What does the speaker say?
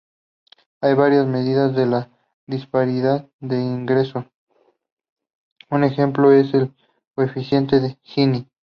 Hay varias medidas de la disparidad del ingreso, un ejemplo es el coeficiente Gini.